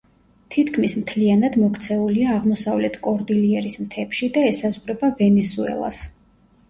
თითქმის მთლიანად მოქცეულია აღმოსავლეთ კორდილიერის მთებში და ესაზღვრება ვენესუელას.